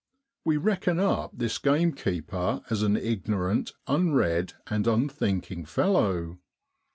We reckon up this gamekeeper as an ignorant, unread, and unthink ing fellow.